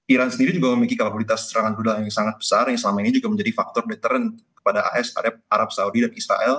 iran sendiri juga memiliki kapabilitas serangan udara yang sangat besar yang selama ini juga menjadi faktor meteran kepada as arab saudi dan israel